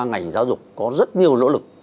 ngành giáo dục có rất nhiều nỗ lực